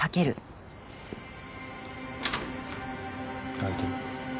開いてる。